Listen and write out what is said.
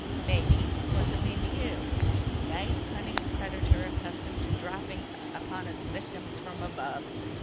"Maybe. What's it mean to you?" "Night hunting predator accustomed to dropping upon its victims from above.